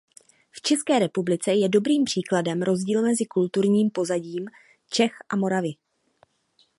V České republice je dobrým příkladem rozdíl mezi kulturním pozadím Čech a Moravy.